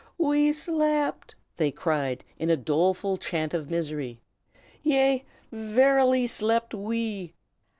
"We slept!" they cried, in a doleful chant of misery. "Yea, verily slept we.